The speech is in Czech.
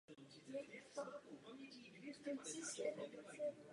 Později se naučila mluvit anglicky.